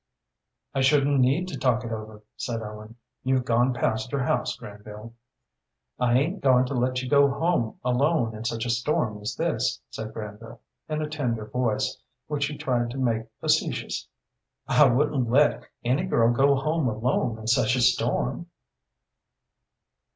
"I shouldn't need to talk it over," said Ellen. "You've gone past your house, Granville." "I ain't going to let you go home alone in such a storm as this," said Granville, in a tender voice, which he tried to make facetious. "I wouldn't let any girl go home alone in such a storm."